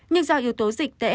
nhưng do yếu tố dịch tễ